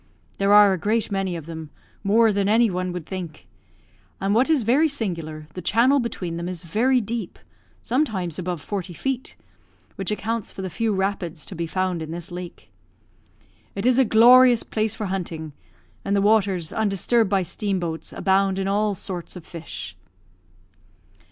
There are a great many of them; more than any one would think and, what is very singular, the channel between them is very deep, sometimes above forty feet, which accounts for the few rapids to be found in this lake. It is a glorious place for hunting; and the waters, undisturbed by steam boats, abound in all sorts of fish.